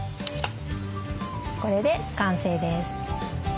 これで完成です。